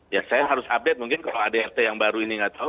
ya saya harus update mungkin kalau adrt yang baru ini nggak tahu